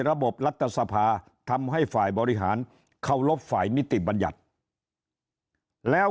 รัฐสภาทำให้ฝ่ายบริหารเคารพฝ่ายนิติบัญญัติแล้ว